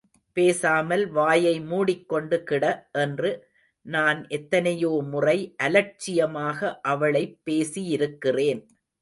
பேசாமல் வாயை மூடிக்கொண்டு கிட, என்று நான் எத்தனையோ முறை அலட்சியமாக அவளைப் பேசியிருக்கிறேன்.